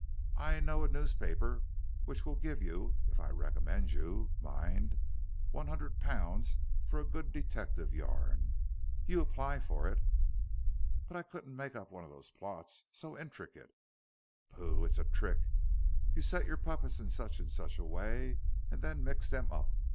"I know a newspaper which will give you if I recommend you, mind one hundred pounds for a good detective yarn. You apply for it." "But I couldn't make up one of those plots so intricate." "Pooh. It's a trick. You set your puppets in such and such a way and then mix them up.